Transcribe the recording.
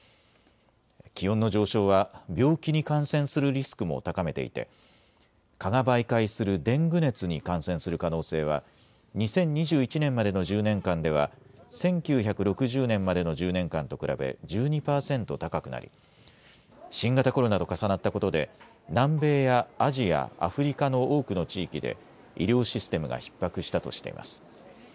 気温の上昇は病気に感染するリスクも高めていて蚊が媒介するデング熱に感染する可能性は２０２１年までの１０年間では１９６０年までの１０年間と比べ１２％高くなり新型コロナと重なったことで南米やアジア、アフリカの多くの地域で医療システムがひっ迫したとしています。